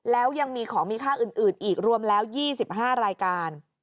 แล้วยังมีของมีค่าอื่นอีกรวมแล้ว๒๕รายการ